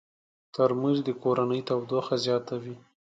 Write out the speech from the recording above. ترموز د کورنۍ تودوخه زیاتوي.